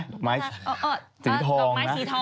ดอกไม้สีทอง